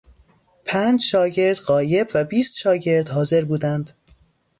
پنج شاگرد غایب و بیست شاگرد حاضر بودند.